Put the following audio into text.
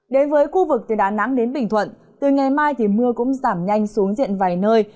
đến với khu vực từ đà nẵng đến bình thuận từ ngày mai thì mưa cũng giảm nhanh xuống diện vài nơi